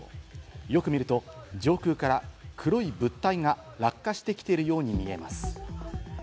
よく見ると上空から黒い物体が落下してきているように見えます。